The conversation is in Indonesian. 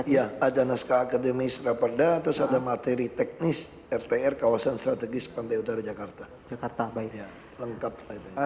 ya ada naskah akademis raperda terus ada materi teknis rtr kawasan strategis pantai utara jakarta lengkap